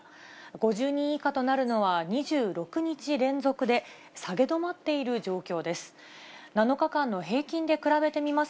５０人以下となるのは２６日連続で、下げ止まっている状況です。